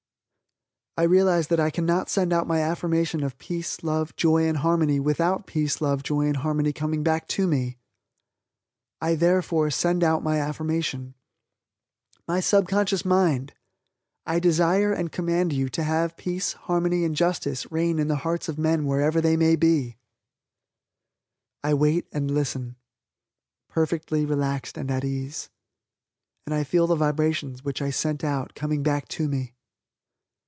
I realize that I cannot send out my affirmation of peace, love, joy and harmony without peace, love, joy and harmony coming back to me. I, therefore, send out my affirmation: "My Subconscious Mind, I desire and command you to have peace, harmony and justice reign in the hearts of men wherever they may be." I wait and listen perfectly relaxed and at ease and I feel the vibrations which I sent out coming back to me.